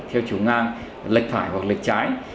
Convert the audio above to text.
theo chiều ngang lệch phải hoặc lệch trái